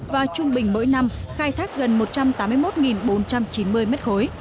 và trung bình mỗi năm khai thác gần một trăm linh triệu mét khối